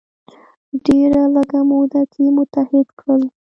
ډیره لږه موده کې متحد کړل.